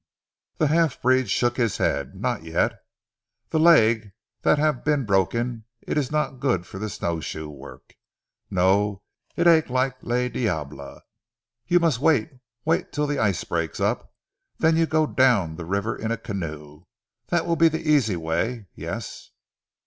The half breed shook his head. "Not yet. Ze leg dat hav' been broken, it is not good for snow shoe work. No! It ache like le diable! You must wait wait till ze ice break up, then you go down ze river in a canoe. Dat will be ze easy way. Yes."